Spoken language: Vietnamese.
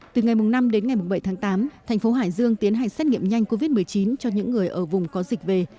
từ ngày năm đến ngày bảy tháng tám thành phố hải dương tiến hành xét nghiệm nhanh covid một mươi chín cho những người ở vùng có dịch về